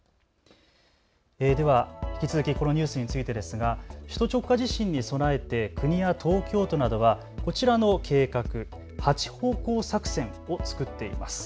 では引き続きこのニュースについてですが首都直下地震に備えて国や東京都などはこちらの計画、八方向作戦を作っています。